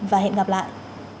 và hẹn gặp lại